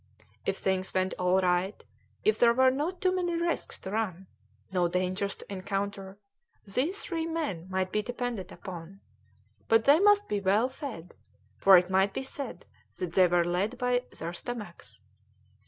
If things went on all right, if there were not too many risks to run, no dangers to encounter, these three men might be depended upon; but they must be well fed, for it might be said that they were led by their stomachs.